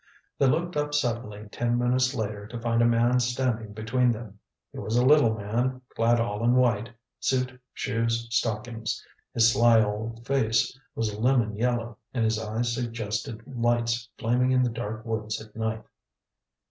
They looked up suddenly ten minutes later to find a man standing between them. He was a little man, clad all in white, suit, shoes, stockings. His sly old face was a lemon yellow, and his eyes suggested lights flaming in the dark woods at night.